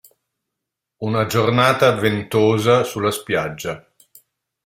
Una giornata ventosa sulla spiaggia.